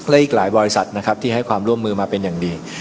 และอีกหลายบริษัทนะครับที่ให้ความร่วมมือมาเป็นอย่างดี